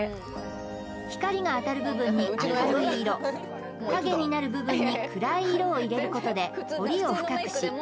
光が当たる部分に明るい色影になる部分に暗い色を入れることで彫りを深くし小顔効果もある